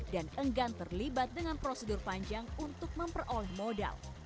dan enggan terlibat dengan prosedur panjang untuk memperoleh modal